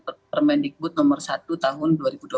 kemendikbud nomor satu tahun